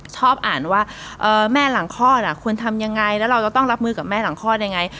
ชอบอ่านว่าแม่หลังคลอดควรทำยังไงแล้วเราจะต้องรับมือกับแม่หลังคลอดยังไง